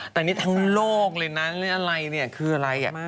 แต่นี่ทั้งโลกเลยนะหรืออะไรเนี่ยคืออะไร